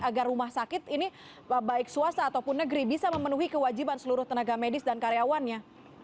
agar rumah sakit ini baik swasta ataupun negeri bisa memenuhi kewajiban seluruh tenaga medis dan karyawannya